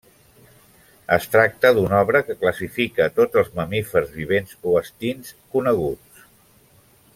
Es tracta d'una obra que classifica tots els mamífers, vivents o extints, coneguts.